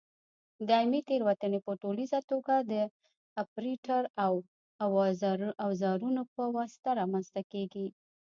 دایمي تېروتنې په ټولیزه توګه د اپرېټر او اوزارونو په واسطه رامنځته کېږي.